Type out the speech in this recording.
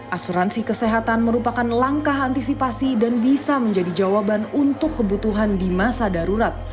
asuransi kesehatan merupakan langkah antisipasi dan bisa menjadi jawaban untuk kebutuhan di masa darurat